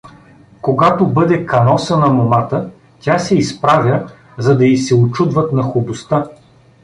Когато бъде каносана момата, тя се изправя, за да и се учудват на хубоста.